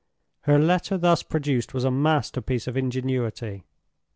Her letter thus produced was a masterpiece of ingenuity.